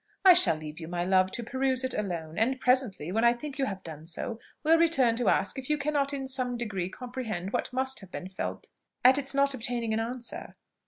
"I shall leave you, my love, to peruse it alone; and presently, when I think you have done so, will return to ask if you cannot in some degree comprehend what must have been felt at its not obtaining an answer."